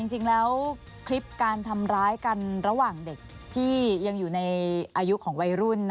จริงแล้วคลิปการทำร้ายกันระหว่างเด็กที่ยังอยู่ในอายุของวัยรุ่น